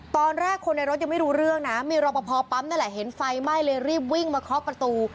ตอนแรกคนในรถยังไม่รู้เรื่องนะมีรอปภปั๊มนั่นแหละเห็นไฟไหม้เลยรีบวิ่งมาเคาะประตู